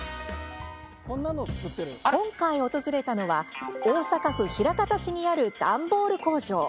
今回、訪れたのは大阪府枚方市にある段ボール工場。